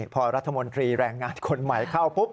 พอรัฐมนตรีแรงงานคนใหม่เข้าปุ๊บ